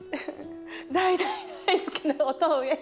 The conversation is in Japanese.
大大大好きなおとんへ。